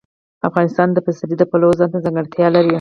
افغانستان د پسرلی د پلوه ځانته ځانګړتیا لري.